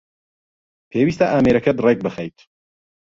پێویستە ئامێرەکەت رێک بخەیت